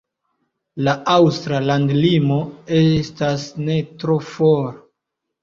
La aŭstra landlimo estas ne tro for.